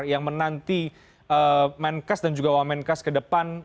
yang menanti menkas dan juga wamenkas ke depan